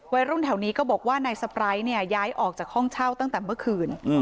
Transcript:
วัยรุ่นแถวนี้ก็บอกว่านายสปร้ายเนี่ยย้ายออกจากห้องเช่าตั้งแต่เมื่อคืน